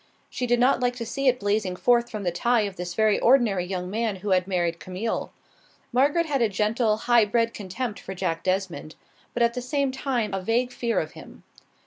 She did not like to see it blazing forth from the tie of this very ordinary young man who had married Camille. Margaret had a gentle, high bred contempt for Jack Desmond, but at the same time a vague fear of him.